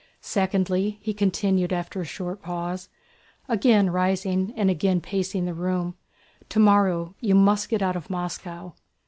"Secondly," he continued after a short pause, again rising and again pacing the room, "tomorrow you must get out of Moscow."